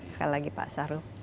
sekali lagi pak syahrul